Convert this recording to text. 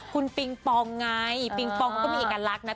คุณปิงปองไงปิงปองเขาก็มีเอกลักษณ์นะ